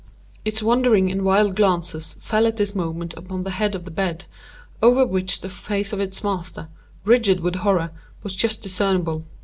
Its wandering and wild glances fell at this moment upon the head of the bed, over which the face of its master, rigid with horror, was just discernible.